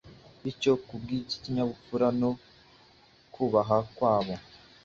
bityo kubw’ikinyabupfura no kubaha kwabo,